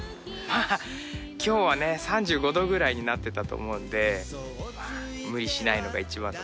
今日はね３５度ぐらいになってたと思うんで無理しないのが一番だと思うんで。